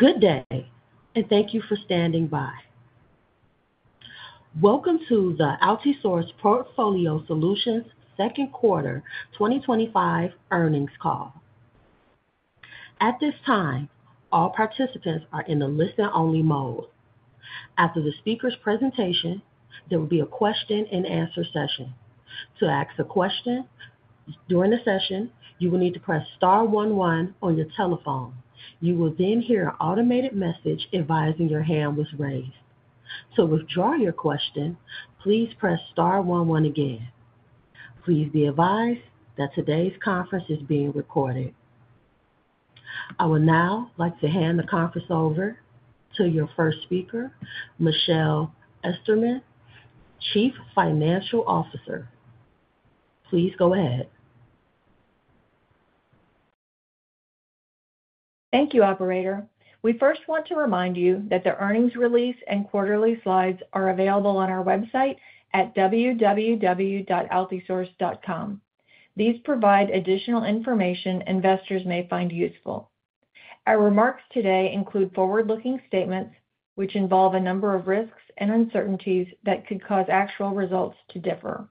Good day, and thank you for standing by. Welcome to the Altisource Portfolio Solutions second quarter 2025 earnings call. At this time, all participants are in a listener-only mode. After the speaker's presentation, there will be a question-and-answer session. To ask a question during the session, you will need to press star one one on your telephone. You will then hear an automated message advising your hand was raised. To withdraw your question, please press star one one again. Please be advised that today's conference is being recorded. I would now like to hand the conference over to your first speaker, Michelle Esterman, Chief Financial Officer. Please go ahead. Thank you, operator. We first want to remind you that the earnings release and quarterly slides are available on our website at www.altisource.com. These provide additional information investors may find useful. Our remarks today include forward-looking statements, which involve a number of risks and uncertainties that could cause actual results to differ.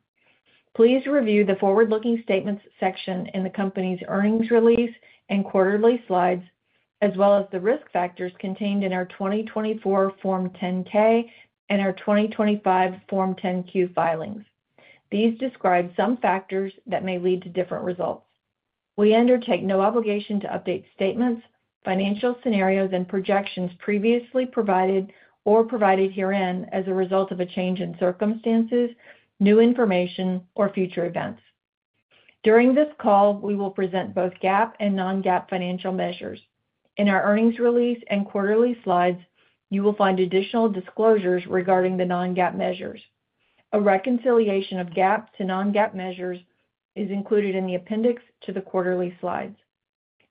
Please review the forward-looking statements section in the company's earnings release and quarterly slides, as well as the risk factors contained in our 2024 Form 10-K and our 2025 Form 10-Q filings. These describe some factors that may lead to different results. We undertake no obligation to update statements, financial scenarios, and projections previously provided or provided herein as a result of a change in circumstances, new information, or future events. During this call, we will present both GAAP and non-GAAP financial measures. In our earnings release and quarterly slides, you will find additional disclosures regarding the non-GAAP measures. A reconciliation of GAAP to non-GAAP measures is included in the appendix to the quarterly slides.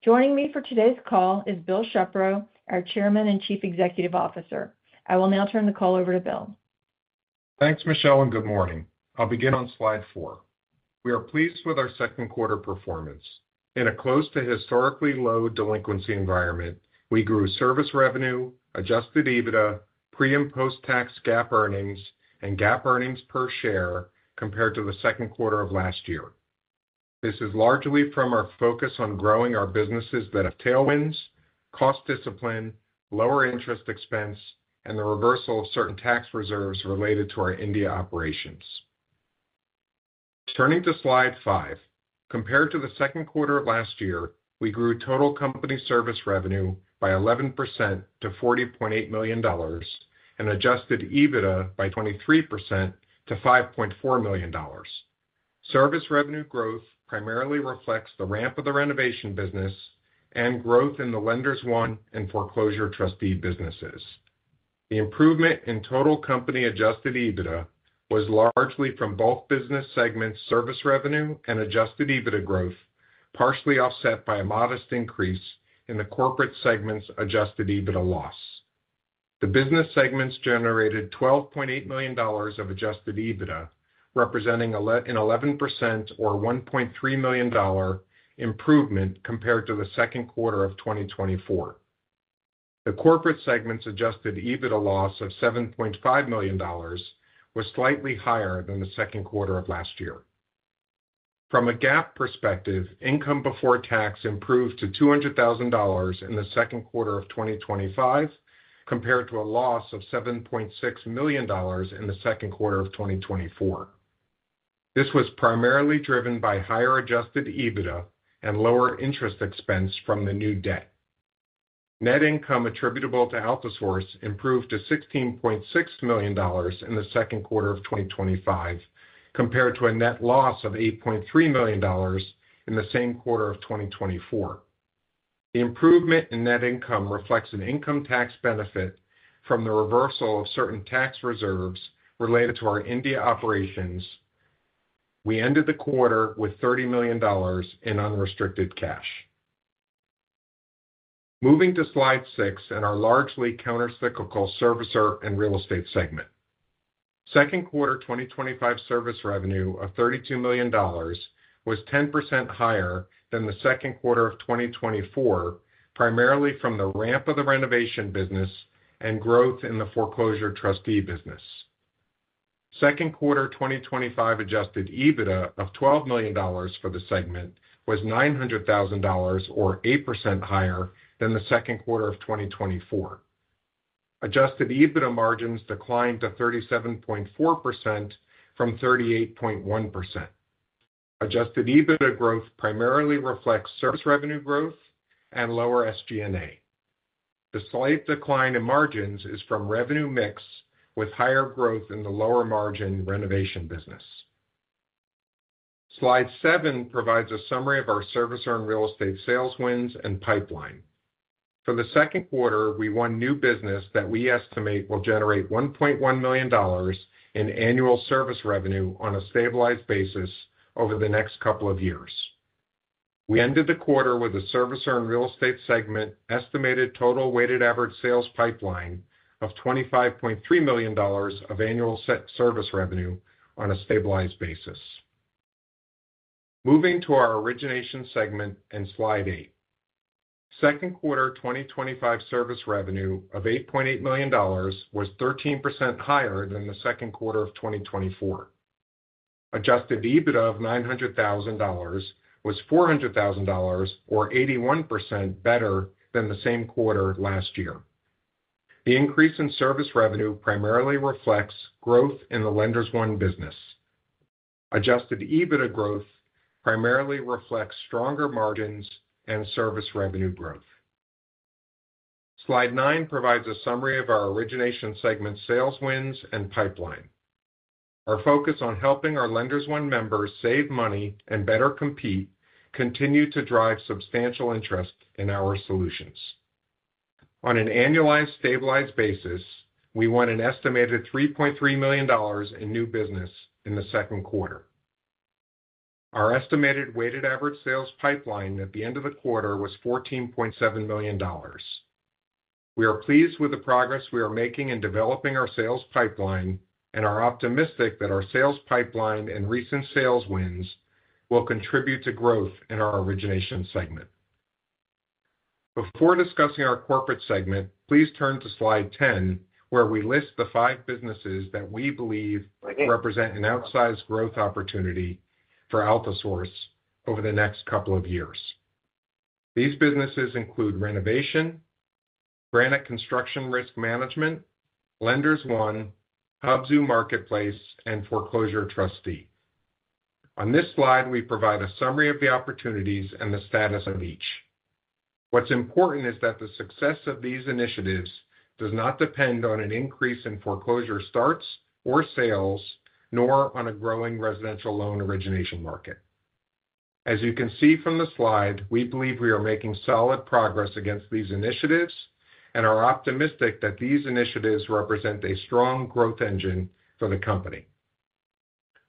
Joining me for today's call is Bill Shepro, our Chairman and Chief Executive Officer. I will now turn the call over to Bill. Thanks, Michelle, and good morning. I'll begin on slide four. We are pleased with our second quarter performance. In a close to historically low delinquency environment, we grew service revenue, Adjusted EBITDA, pre- and post-tax GAAP earnings, and GAAP earnings per share compared to the second quarter of last year. This is largely from our focus on growing our businesses that have tailwinds, cost discipline, lower interest expense, and the reversal of certain tax reserves related to our India operations. Turning to slide five, compared to the second quarter of last year, we grew total company service revenue by 11% to $40.8 million and Adjusted EBITDA by 23% to $5.4 million. Service revenue growth primarily reflects the ramp of the renovation business and growth in the Lenders One and foreclosure trustee businesses. The improvement in total company Adjusted EBITDA was largely from both business segments' service revenue and Adjusted EBITDA growth, partially offset by a modest increase in the corporate segment's Adjusted EBITDA loss. The business segments generated $12.8 million of Adjusted EBITDA, representing an 11% or $1.3 million improvement compared to the second quarter of 2024. The corporate segment's Adjusted EBITDA loss of $7.5 million was slightly higher than the second quarter of last year. From a GAAP perspective, income before tax improved to $200,000 in the second quarter of 2025 compared to a loss of $7.6 million in the second quarter of 2024. This was primarily driven by higher Adjusted EBITDA and lower interest expense from the new debt. Net income attributable to Altisource improved to $16.6 million in the second quarter of 2025 compared to a net loss of $8.3 million in the same quarter of 2024. The improvement in net income reflects an income tax benefit from the reversal of certain tax reserves related to our India operations. We ended the quarter with $30 million in unrestricted cash. Moving to slide six in our largely countercyclical servicer and real estate segment. Second quarter 2025 service revenue of $32 million was 10% higher than the second quarter of 2024, primarily from the ramp of the renovation business and growth in the foreclosure trustee business. Second quarter 2025 Adjusted EBITDA of $12 million for the segment was $900,000 or 8% higher than the second quarter of 2024. Adjusted EBITDA margins declined to 37.4% from 38.1%. Adjusted EBITDA growth primarily reflects service revenue growth and lower SG&A. The slight decline in margins is from revenue mix with higher growth in the lower margin renovation business. Slide seven provides a summary of our servicer and real estate sales wins and pipeline. For the second quarter, we won new business that we estimate will generate $1.1 million in annual service revenue on a stabilized basis over the next couple of years. We ended the quarter with the servicer and real estate segment estimated total weighted average sales pipeline of $25.3 million of annual service revenue on a stabilized basis. Moving to our origination segment and slide eight. Second quarter 2025 service revenue of $8.8 million was 13% higher than the second quarter of 2024. Adjusted EBITDA of $900,000 was $400,000 or 81% better than the same quarter last year. The increase in service revenue primarily reflects growth in the Lenders One business. Adjusted EBITDA growth primarily reflects stronger margins and service revenue growth. Slide nine provides a summary of our origination segment sales wins and pipeline. Our focus on helping our Lenders One members save money and better compete continued to drive substantial interest in our solutions. On an annualized stabilized basis, we won an estimated $3.3 million in new business in the second quarter. Our estimated weighted average sales pipeline at the end of the quarter was $14.7 million. We are pleased with the progress we are making in developing our sales pipeline and are optimistic that our sales pipeline and recent sales wins will contribute to growth in our origination segment. Before discussing our corporate segment, please turn to slide 10, where we list the five businesses that we believe represent an outsized growth opportunity for Altisource over the next couple of years. These businesses include renovation, Granite Construction Risk Management, Lenders One, Hubzu Marketplace, and foreclosure trustee. On this slide, we provide a summary of the opportunities and the status of each. What's important is that the success of these initiatives does not depend on an increase in foreclosure starts or sales, nor on a growing residential loan origination market. As you can see from the slide, we believe we are making solid progress against these initiatives and are optimistic that these initiatives represent a strong growth engine for the company.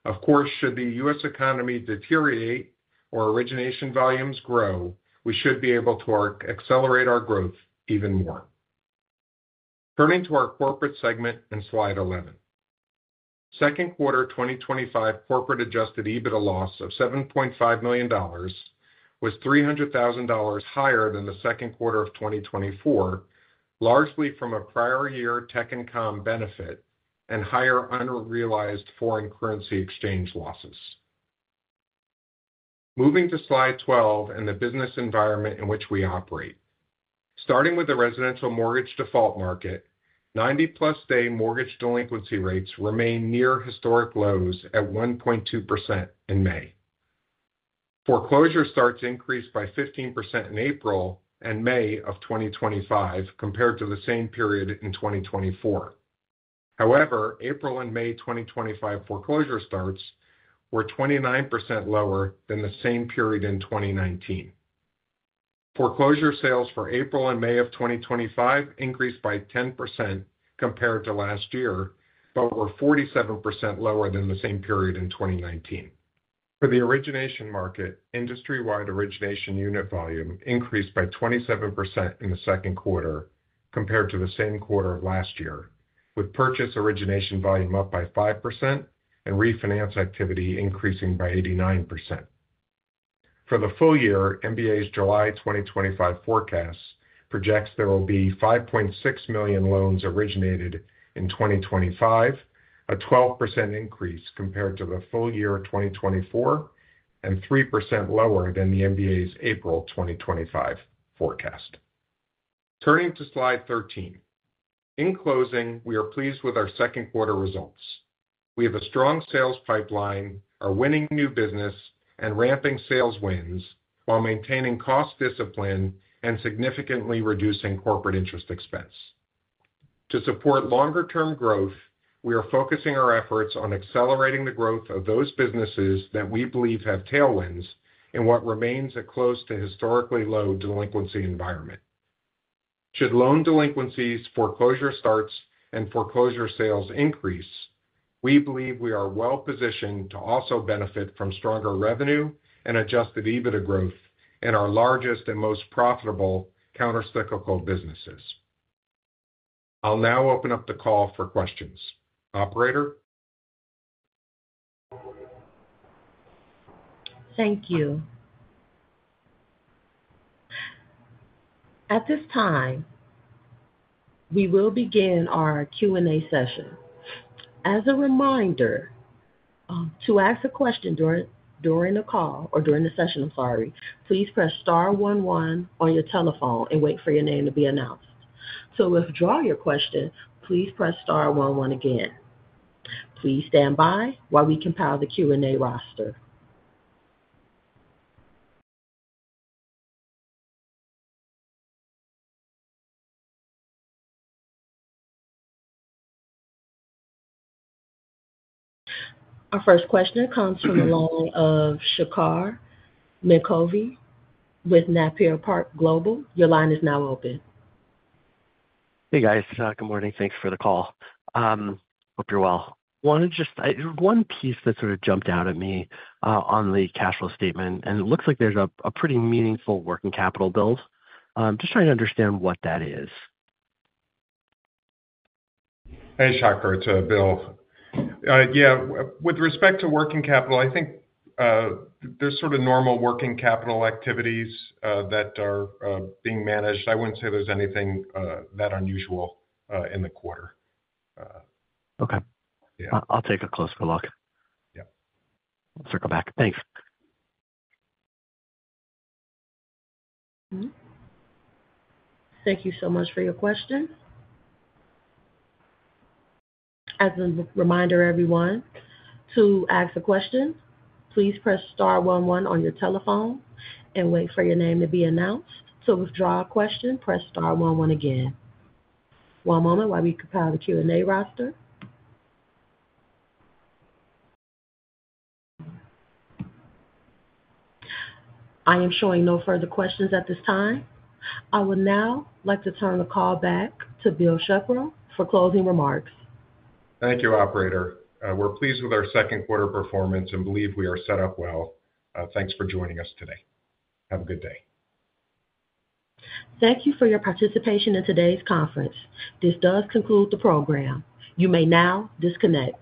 Of course, should the U.S. economy deteriorate or origination volumes grow, we should be able to accelerate our growth even more. Turning to our corporate segment and slide 11. Second quarter 2025 corporate Adjusted EBITDA loss of $7.5 million was $300,000 higher than the second quarter of 2024, largely from a prior year tax income benefit and higher unrealized foreign currency exchange losses. Moving to slide 12 and the business environment in which we operate. Starting with the residential mortgage default market, 90+ day mortgage delinquency rates remain near historic lows at 1.2% in May. Foreclosure starts increased by 15% in April and May of 2025 compared to the same period in 2024. However, April and May 2025 foreclosure starts were 29% lower than the same period in 2019. Foreclosure sales for April and May of 2025 increased by 10% compared to last year, but were 47% lower than the same period in 2019. For the origination market, industry-wide origination unit volume increased by 27% in the second quarter compared to the same quarter last year, with purchase origination volume up by 5% and refinance activity increasing by 89%. For the full year, MBA's July 2025 forecast projects there will be 5.6 million loans originated in 2025, a 12% increase compared to the full year 2024 and 3% lower than the MBA's April 2025 forecast. Turning to slide 13. In closing, we are pleased with our second quarter results. We have a strong sales pipeline, are winning new business and ramping sales wins while maintaining cost discipline and significantly reducing corporate interest expense. To support longer-term growth, we are focusing our efforts on accelerating the growth of those businesses that we believe have tailwinds in what remains a close to historically low delinquency environment. Should loan delinquencies, foreclosure starts, and foreclosure sales increase, we believe we are well-positioned to also benefit from stronger revenue and Adjusted EBITDA growth in our largest and most profitable countercyclical businesses. I'll now open up the call for questions. Operator? Thank you. At this time, we will begin our Q&A session. As a reminder, to ask a question during the call or during the session, please press star one one on your telephone and wait for your name to be announced. To withdraw your question, please press star one one again. Please stand by while we compile the Q&A roster. Our first question comes from the line of Shachar Minkove with Napier Park Global. Your line is now open. Hey, guys. Good morning. Thanks for the call. Hope you're well. There's one piece that sort of jumped out at me on the cash flow statement, and it looks like there's a pretty meaningful working capital build. Just trying to understand what that is. Hey, Shachar. It's Bill. Yeah, with respect to working capital, I think there's sort of normal working capital activities that are being managed. I wouldn't say there's anything that unusual in the quarter. Okay, I'll take a closer look. Yeah. I'll circle back. Thanks. Thank you so much for your question. As a reminder, everyone, to ask a question, please press star one one on your telephone and wait for your name to be announced. To withdraw a question, press star one one again. One moment while we compile the Q&A roster. I am showing no further questions at this time. I would now like to turn the call back to Bill Shepro for closing remarks. Thank you, operator. We're pleased with our second quarter performance and believe we are set up well. Thanks for joining us today. Have a good day. Thank you for your participation in today's conference. This does conclude the program. You may now disconnect.